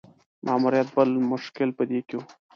ماموریت بل مشکل په دې کې وو.